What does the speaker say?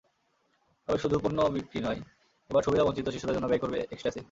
তবে, শুধুই পণ্য বিক্রি নয়, এবার সুবিধাবঞ্চিত শিশুদের জন্য ব্যয় করবে একস্ট্যাসি।